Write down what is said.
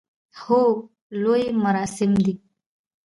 هو، لوی مراسم دی